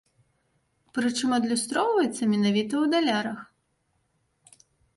Прычым адлюстроўваецца менавіта ў далярах.